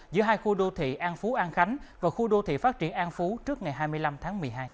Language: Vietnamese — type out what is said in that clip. giữa hai khu đô thị an phú an khánh và khu đô thị phát triển an phú trước ngày hai mươi năm tháng một mươi hai